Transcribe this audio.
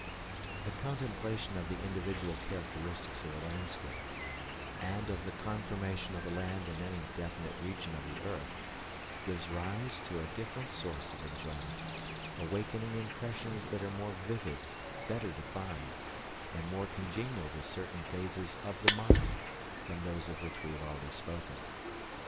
The contemplation of the individual characteristics of the landscape, and of the conformation of the land in any definite region of the earth, gives rise to a different source of enjoyment, awakening impressions that are more vivid, better defined, and more congenial to certain phases of the mind, than those of which we have already spoken.